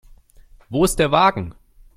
Wo ist der Wagen?